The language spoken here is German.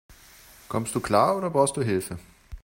Kommst du klar, oder brauchst du Hilfe?